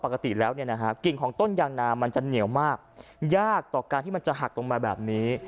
กลิ่นของต้นยางนามันจะเหนียวมากยากต่อการที่มันจะหักตรงมาแบบนี้